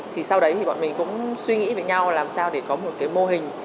thì sau đấy thì bọn mình cũng suy nghĩ với nhau làm sao để có một cái mô hình